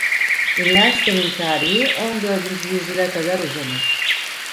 Üniversitenin tarihi on dördüncü yüzyıla kadar uzanır.